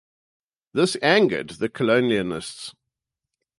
This angered the colonists.